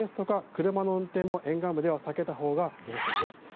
車の運転も沿岸部では避けたほうがよさそうです。